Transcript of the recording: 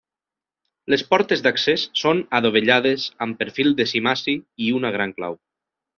Les portes d'accés són adovellades amb perfil de cimaci i una gran clau.